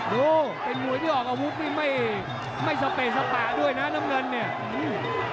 ดูเป็นมวยที่ออกอาวุธนี่ไม่สเปสปะด้วยนะน้ำเงินเนี่ย